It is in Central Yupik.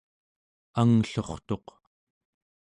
angllurtuq